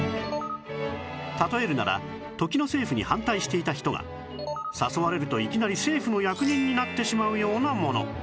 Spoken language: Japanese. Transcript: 例えるなら時の政府に反対していた人が誘われるといきなり政府の役人になってしまうようなもの